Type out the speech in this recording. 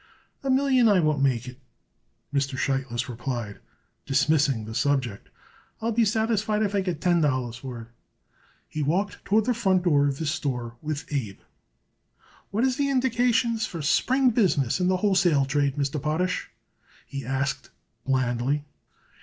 "A million I won't make it," Mr. Sheitlis replied, dismissing the subject. "I'll be satisfied if I get ten dollars for it." He walked toward the front door of his store with Abe. "What is the indications for spring business in the wholesale trade, Mr. Potash," he asked blandly.